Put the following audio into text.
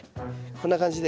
こんな感じで。